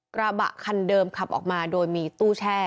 กระบะคันเดิมขับออกมาโดยมีตู้แช่